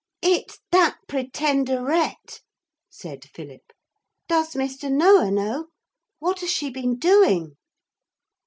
'It's that Pretenderette,' said Philip. 'Does Mr. Noah know? What has she been doing?'